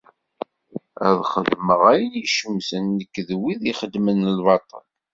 Ad xedmeɣ ayen icemten nekk d wid ixeddmen lbaṭel.